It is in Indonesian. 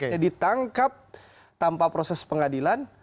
ya ditangkap tanpa proses pengadilan